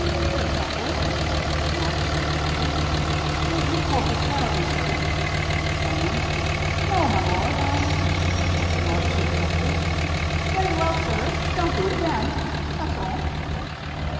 For example: Lord Chief Justice: Did you poke your tail at me, sir? Claimant: No, my lord; I L. C. J.: Very well, sir; don't do it again that's all.